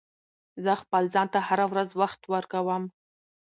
زه خپل ځان ته هره ورځ وخت ورکوم.